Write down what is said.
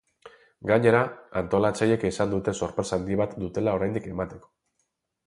Gainera, antolatzaileek esan dute sorpresa handi bat dutela oraindik emateko.